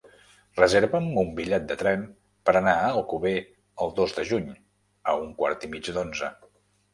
Reserva'm un bitllet de tren per anar a Alcover el dos de juny a un quart i mig d'onze.